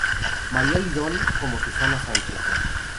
María Lidón como Susana Sánchez.